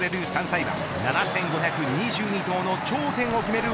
３歳馬７５２２頭の頂点を決める